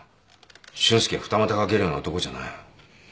俊介二またかけるような男じゃない。